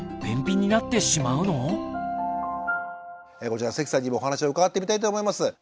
こちら関さんにもお話を伺ってみたいと思います。